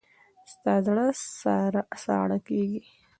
ستا زړه ساړه کېږي.